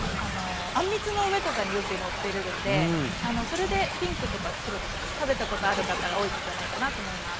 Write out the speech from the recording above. あんみつの上とかによくのってるのでそれでピンクとか白とか食べたことある方が多いんじゃないかなと思います。